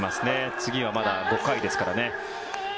次はまだ５回ですからね。